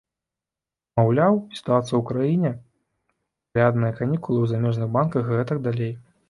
Маўляў, сітуацыя ў краіне, калядныя канікулы ў замежных банках і гэтак далей.